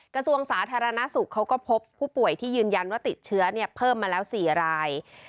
กระทรวงสาธารณสุขเขาก็พบผู้ป่วยที่ยืนยันว่าติดเชื้อเพิ่มมาแล้ว๔ราย